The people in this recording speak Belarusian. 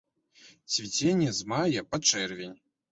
Цвіценне з мая па чэрвень.